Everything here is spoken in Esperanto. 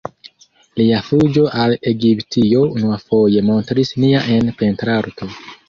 Lia "Fuĝo al Egiptio" unuafoje montris nia en pentrarto.